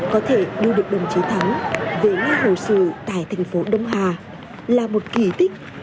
có thể đưa được đồng chí thắng về nghe hồ sử tại thành phố đông hà là một kỳ tích